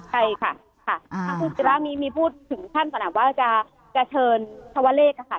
ใช่ค่ะค่ะคุณผู้จิลามีพูดถึงขั้นขนาดว่าจะเชิญชาวเลกค่ะ